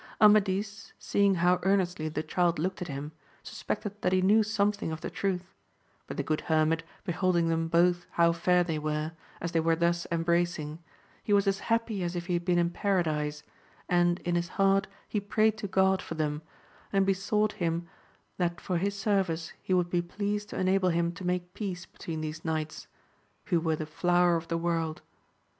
Amadis seeing how earnestly the child looked at him, suspected that he knew something of the truth ; but the good hermit beholding them both how fair they were, as they were thus embracing, he was as happy as if he had been in paradise, and in his heart he prayed to God for them, and besought him VOL. III. U 210 AMADIS OF GAUL that for his service he would be pleased to enable him to make peace between these knights, who were the flower of the world.